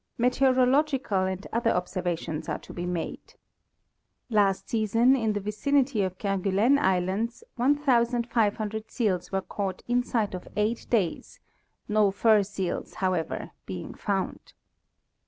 Meteorological and other observations are to be made. Last season, in the vicinity of Kerguelen islands, 1,500 seals were caught inside of eight days, no fur seals, however, being found.